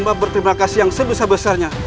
berterima kasih yang sebesar besarnya